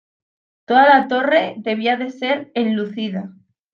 Toda la torre debía de ser enlucida.